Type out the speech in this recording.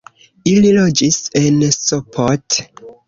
Ili loĝis en Sopot.